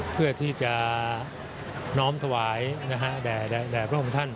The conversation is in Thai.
เพื่อที่จะน้อมถวายแด่พระองค์ท่าน